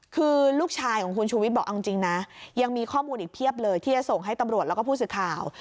คือลูกชายของคุณชูวิทย์บอกเอาจริงนะยังมีข้อมูลอีกเพียบเลยที่จะส่งให้ตำรวจแล้วก็ผู้สื่อข่าว